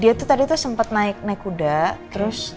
dia tuh tadi tuh sempat naik naik kuda terus